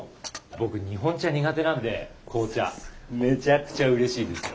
僕日本茶苦手なんで紅茶めちゃくちゃうれしいですよ。